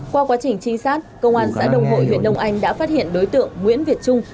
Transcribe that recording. qua quá trình trinh sát công an xã đông hội huyện đông anh đã phát hiện đối tượng nguyễn việt trung